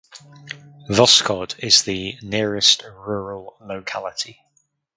Voskhod is the nearest rural locality.